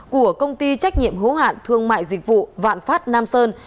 của công ty trách nhiệm hữu hạn thương mại dịch vụ vạn phát nam sơn